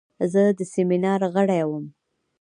زه د سیمینار غړی وم.